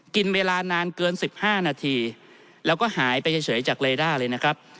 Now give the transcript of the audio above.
กินเวลานานเกิน๑๕นาทีแล้วก็หายไปเฉยจากเลด้าเลยนะครับ